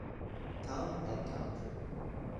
Town and Country